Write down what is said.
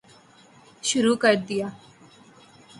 شروع کردیا